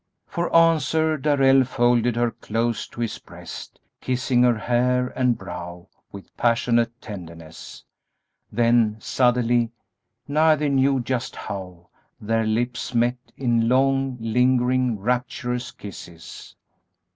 For answer Darrell folded her close to his breast, kissing her hair and brow with passionate tenderness; then suddenly, neither knew just how, their lips met in long, lingering, rapturous kisses.